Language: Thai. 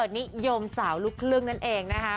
นิยมสาวลูกครึ่งนั่นเองนะคะ